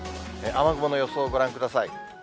雨雲の予想をご覧ください。